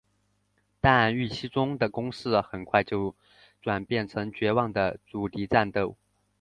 但预期中的攻势很快就转变成绝望的阻敌战斗。